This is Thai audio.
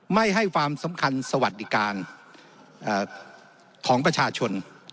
ไม่ให้ความสำคัญสวัสดิการของประชาชน